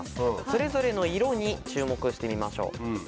それぞれの色に注目してみましょう。